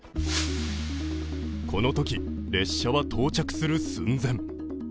このとき、列車は到着する寸前。